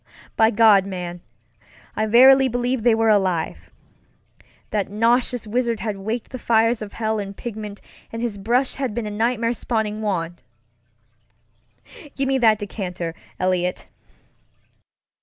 By God, man, I verily believe they were alive! That nauseous wizard had waked the fires of hell in pigment, and his brush had been a nightmare spawning wand. Give me that decanter, Eliot!